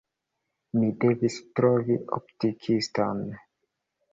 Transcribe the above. Mi devis trovi optikiston.